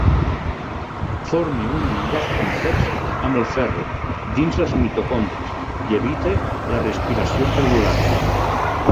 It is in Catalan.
Forma un enllaç complex amb el ferro dins els mitocondris i evita la respiració cel·lular.